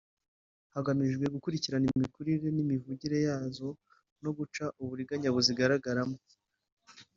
hagamijwe gukurikirana imikurire n’imivurire yazo no guca uburiganya buzigaragaramo